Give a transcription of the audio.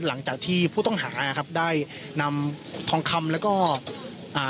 หลังจากที่ผู้ต้องหานะครับได้นำทองคำแล้วก็อ่า